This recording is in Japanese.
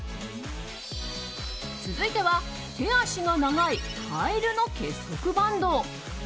続いては、手足が長いカエルの結束バンド。